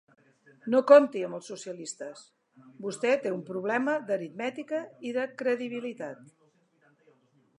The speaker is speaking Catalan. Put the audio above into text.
No compti amb els socialistes; vostè té un problema d’aritmètica i de credibilitat.